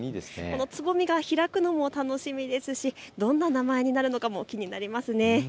つぼみが開くのも楽しみですしどんな名前になるのかも気になりますね。